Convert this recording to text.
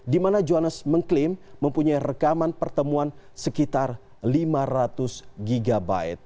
di mana johannes mengklaim mempunyai rekaman pertemuan sekitar lima ratus gb